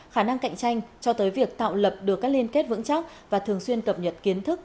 khả năng cạnh tranh cho tới việc tạo lập được các liên kết vững chắc và thường xuyên cập nhật kiến thức